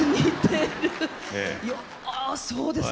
いやそうですか。